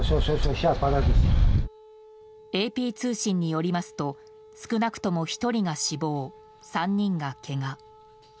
ＡＰ通信によりますと少なくとも１人が死亡３人がけが。